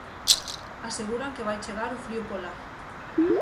Aseguran que vai chegar o frío polar.